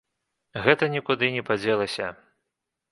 Гэта нікуды не падзелася.